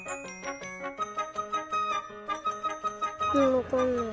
わかんない。